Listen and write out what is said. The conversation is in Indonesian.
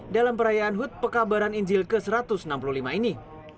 dalam perayaan hut pekabaran injil ke satu ratus enam puluh lima ini